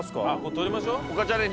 撮りましょう。